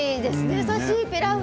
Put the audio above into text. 優しいピラフ。